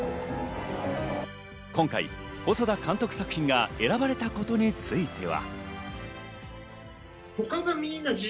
今回、細田監督作品が選ばれたことについては。